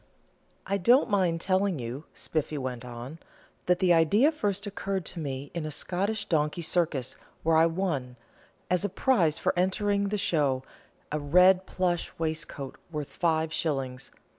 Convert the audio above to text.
"I don't mind telling you," Spiffy went on, "that the idea first occurred to me in a Scotch donkey circus, where I won, as a prize for entering the show, a red plush waistcoat worth five shillings.